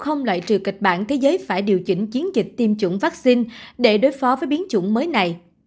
họ không loại trừ kịch bản thế giới phải điều chỉnh chiến dịch tiêm chủng vaccine để đối phó với biến chủng mới này